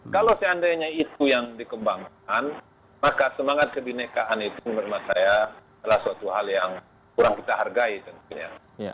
kalau seandainya itu yang dikembangkan maka semangat kebinekaan itu menurut saya adalah suatu hal yang kurang kita hargai tentunya